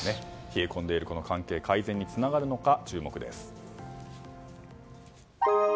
冷え込んでいる関係改善につながるのか注目です。